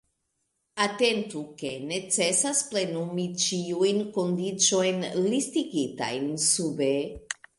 Atentu, ke necesas plenumi ĉiujn kondiĉojn listigitajn sube.